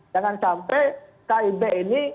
jangan sampai kib ini